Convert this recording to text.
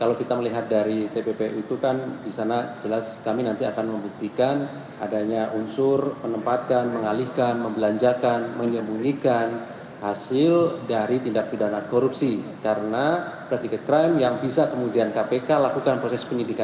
alif fikri mengatakan penetapan status tersangka tppu berdasarkan proses pengurusan perbajakan yang dilakukan rafael